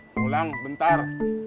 udah pulang bentar